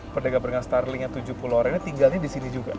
pedagang pedagang starling yang tujuh puluh orang ini tinggalnya di sini juga